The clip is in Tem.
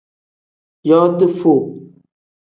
Yooti foo.